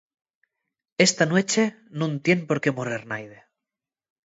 Esta nueche nun tien por qué morrer naide.